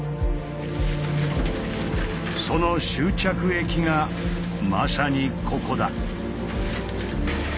その終着駅がまさにここだ。